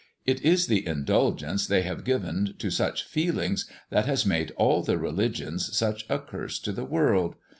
It is the indulgence they have given to such feelings that has made all the religions such a curse to the world.